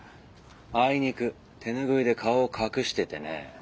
あいにく手拭いで顔を隠しててね。